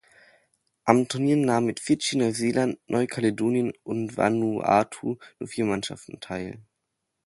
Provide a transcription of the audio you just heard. Am Turnier nahmen mit Fidschi, Neuseeland, Neukaledonien und Vanuatu nur vier Mannschaften teil.